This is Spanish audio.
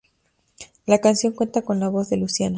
La canción cuenta con la voz de Luciana.